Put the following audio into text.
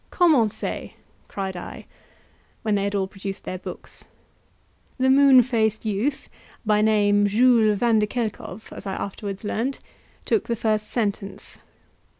"Commencez!" cried I, when they had all produced their books. The moon faced youth (by name Jules Vanderkelkov, as I afterwards learnt) took the first sentence.